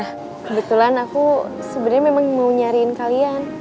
kebetulan aku sebenarnya memang mau nyariin kalian